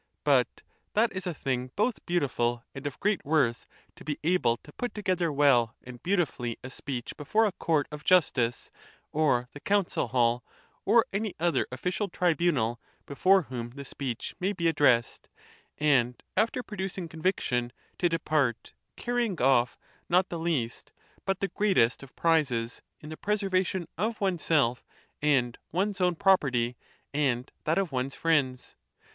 But that is a thing both beautiful and of great worth, to be able to put together well and beautifully a speech before a court of justice, or the Council Hall, or any other official tribunal, before whom the speech may be addressed ; and after pro ducing conviction, to depart, carrying off not the least, but the greatest, of prizes, in the preservation of oneself and one's own property, and that of one's friends.